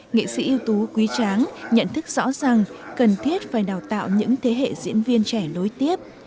nghệ sĩ ưu tú quý tráng nhận thức rõ ràng cần thiết phải đào tạo những thế hệ diễn viên trẻ lối tiếp